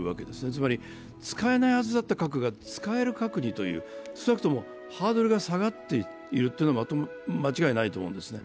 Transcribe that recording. つまり、使えないはずだった核が使える核にという、少なくともハードルが下がっているというのは間違いないと思うんですね。